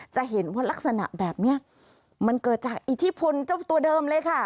จะเห็นว่ารักษณะแบบนี้มันเกิดจากอิทธิพลเจ้าตัวเดิมเลยค่ะ